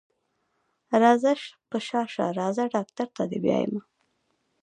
راځه په شا شه راځه ډاکټر ته دې بيايمه.